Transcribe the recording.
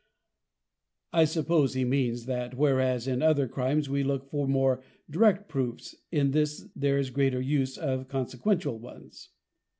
[_I suppose he means, that whereas in other Crimes we look for more direct proofs, in this there is a greater use of consequential ones.